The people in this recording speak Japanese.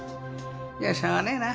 じゃあしょうがねえな。